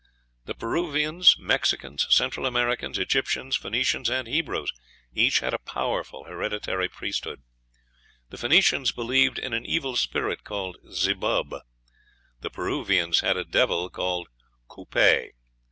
The Peruvians, Mexicans, Central Americans, Egyptians, Phoenicians, and Hebrews each had a powerful hereditary priesthood. The Phoenicians believed in an evil spirit called Zebub; the Peruvians had a devil called Cupay.